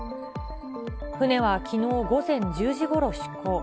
船はきのう午前１０時ごろ出港。